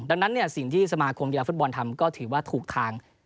ดังนั้นสิ่งที่สมาคมกีฬาฟุตบอลทำก็ถือว่าถูกทาง